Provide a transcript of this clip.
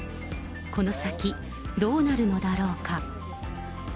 この先、どうなるのだろうか。